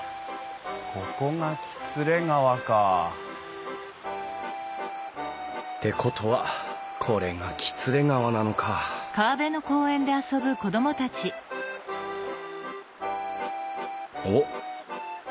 ここが喜連川か。ってことはこれが喜連川なのかおっ。